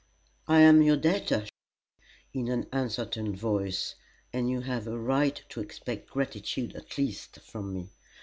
"I am your debtor," said she, in an uncertain voice; "and you have a right to expect gratitude, at least, from me.